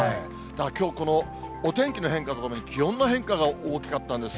きょう、このお天気の変化とともに、気温の変化が大きかったんです。